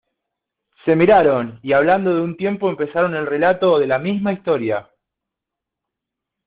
se miraron, y hablando a un tiempo empezaron el relato de la misma historia: